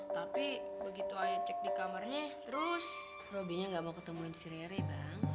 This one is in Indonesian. tapi begitu ayo cek di kamarnya terus robinya gak mau ketemuin si rere bang